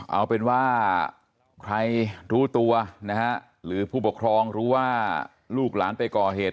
เอาเป็นว่าใครรู้ตัวนะฮะหรือผู้ปกครองรู้ว่าลูกหลานไปก่อเหตุ